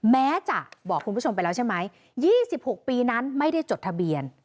แม้จะบอกคุณผู้ชมไปแล้วใช่ไหม๒๖ปีนั้นไม่ได้จดทะเบียน